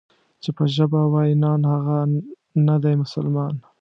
چې په ژبه وای نان، هغه نه دی مسلمان.